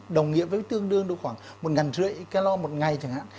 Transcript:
đồng nghĩa với tương đương được khoảng một năm trăm linh kcal một ngày chẳng hạn